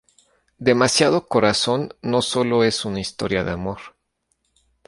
Demasiado corazón no sólo es una historia de amor.